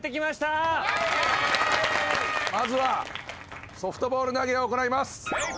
まずはソフトボール投げを行います。